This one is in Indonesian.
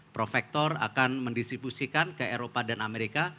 prof vector akan mendistribusikan ke eropa dan amerika